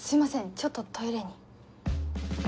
ちょっとトイレに。